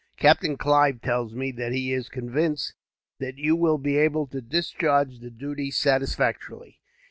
Captain Clive tells me that he is convinced that you will be able to discharge the duties satisfactorily.